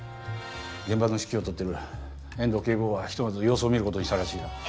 現場の指揮を執ってる遠藤警部補はひとまず様子を見ることにしたらしいが。